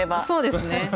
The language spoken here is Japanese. そうですね。